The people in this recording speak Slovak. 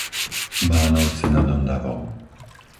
Bánovce nad Ondavou